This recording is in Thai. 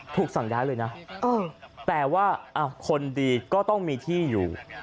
ถูกสั่งย้ายเลยนะแต่ว่าคนดีก็ต้องมีที่อยู่